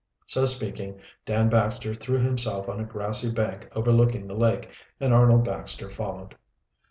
So speaking, Dan Baxter threw himself on a grassy bank overlooking the lake, and Arnold Baxter followed.